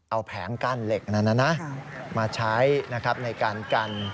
เอาแผงกั้นเหล็กนั้นมาใช้ในการกัน